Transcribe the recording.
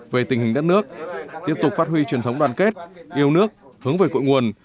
về tình hình đất nước tiếp tục phát huy truyền thống đoàn kết yêu nước hướng về cội nguồn